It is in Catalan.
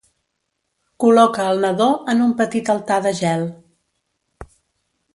Col·loca el nadó en un petit altar de gel.